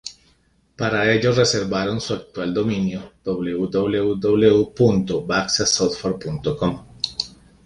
Para ello reservaron su actual dominio www.vaxasoftware.com.